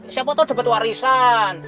siapa tau dapet warisan